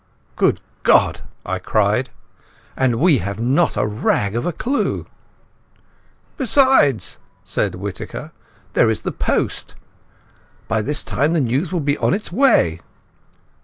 "Good God," I cried, "and we have not a rag of a clue." "Besides," said Whittaker, "there is the post. By this time the news will be on its way."